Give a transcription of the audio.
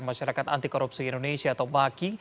masyarakat antikorupsi indonesia atau maki